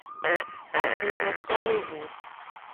Ame nyo sowu eho.